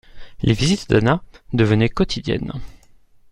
les visites d’Anna devenaient quotidiennes